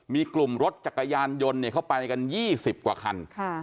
มีกลุ่มรถจักรยานยนต์เข้าไปกัน๒๐กว่าคัน